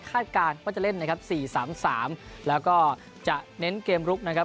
คาดการณ์ว่าจะเล่น๔๓๓แล้วก็จะเน้นเกมรุกนะครับ